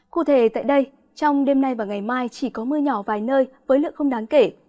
cụ thể tại đây trong đêm nay và ngày mai chỉ có mưa nhỏ vài nơi với lượng không đáng kể